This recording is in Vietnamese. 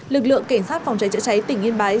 lực lượng cảnh sát phòng cháy chữa cháy tỉnh yên bái